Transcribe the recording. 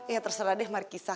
ya terserah deh markisa